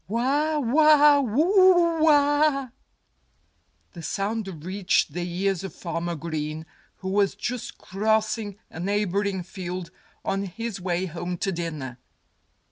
"Wha wha! Whoo ah!" The sound reached the ears of Farmer Green, who was just crossing a neighboring field, on his way home to dinner.